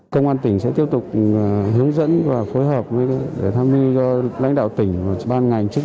công an tỉnh sẽ tiếp tục hướng dẫn và phối hợp để tham mưu cho lãnh đạo tỉnh và ban ngành chức